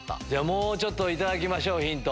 もうちょっと頂きましょうヒント。